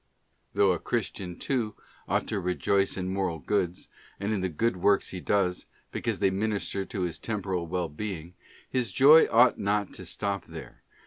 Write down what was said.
't Though a Christian.too ought to rejoice in Moral Goods, and in the good works he does, because they minister to his temporal well being, his joy ought not to stop there where * Wisd.